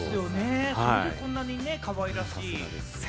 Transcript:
それでこんなにかわいらしいね。